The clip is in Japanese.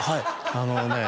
あのね